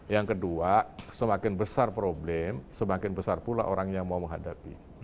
yang kedua semakin besar problem semakin besar pula orang yang mau menghadapi